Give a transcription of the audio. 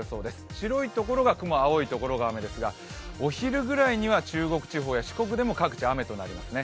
白い所が雲、青い所が雨ですがお昼ぐらいには中国地方や四国でも各地雨となりますね。